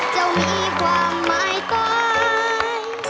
เจ้ามีความหมายตาย